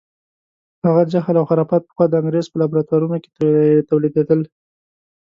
هغه جهل او خرافات پخوا د انګریز په لابراتوارونو کې تولیدېدل.